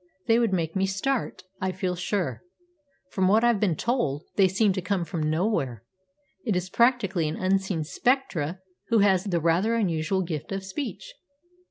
They would make me start, I feel sure. From what I've been told, they seem to come from nowhere. It is practically an unseen spectre who has the rather unusual gift of speech."